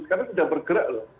karena sudah bergerak loh